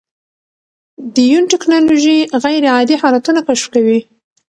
د یون ټېکنالوژي غیرعادي حالتونه کشف کوي.